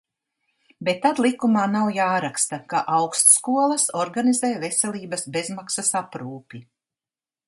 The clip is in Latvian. Bet tad likumā nav jāraksta, ka augstskolas organizē veselības bezmaksas aprūpi.